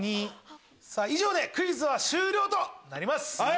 以上でクイズは終了となります。